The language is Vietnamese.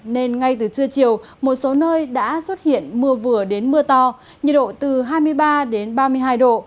nên ngay từ trưa chiều một số nơi đã xuất hiện mưa vừa đến mưa to nhiệt độ từ hai mươi ba đến ba mươi hai độ